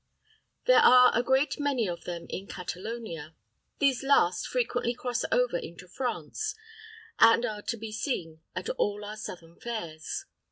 There are a great many of them in Catalonia. These last frequently cross over into France and are to be seen at all our southern fairs.